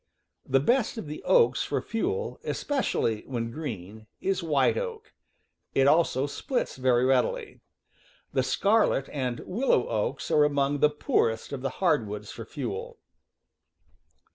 The best of the oaks for fuel, especially when green, is white oak; it also splits very readily. The scarlet and willow oaks are among the poorest of the hardwoods for fuel.